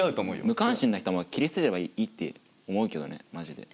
無関心な人は切り捨てればいいって思うけどねマジで。